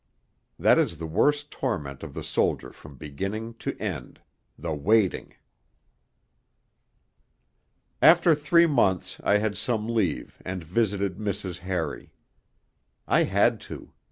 That is the worst torment of the soldier from beginning to end the waiting.... III After three months I had some leave and visited Mrs. Harry. I had to.